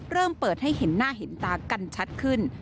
เริ่มเปิดให้เห็นหน้าเห็นตากันชัดขึ้น